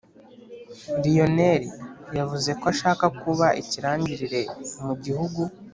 Lionel yavuzeko ashaka kuba ikirangirire mu gihugu